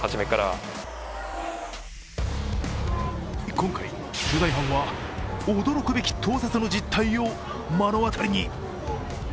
今回、取材班は驚くべき盗撮の実態を目の当たりに。